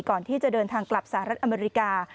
ก่อนที่จะเดินทางกลับสหรัฐอเมริกา